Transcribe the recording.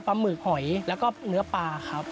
หมึกหอยแล้วก็เนื้อปลาครับ